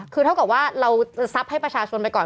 คือเท่ากับว่าเราจะทรัพย์ให้ประชาชนไปก่อน